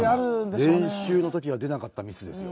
練習の時は出なかったミスですよ。